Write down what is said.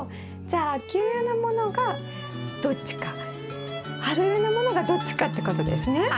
じゃあ秋植えのものがどっちか春植えのものがどっちかってことですね。